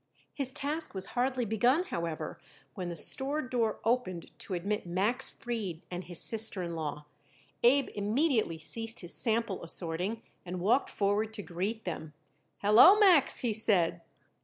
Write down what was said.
His task was hardly begun, however, when the store door opened to admit Max Fried and his sister in law. Abe immediately ceased his sample assorting and walked forward to greet them. "Hello, Max," he said.